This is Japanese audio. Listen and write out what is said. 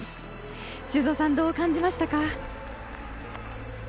修造さんどう感じましたか？